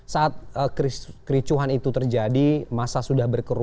saat kericuhan itu terjadi masa sudah berkerumunan